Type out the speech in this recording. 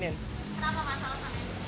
kenapa masalah asin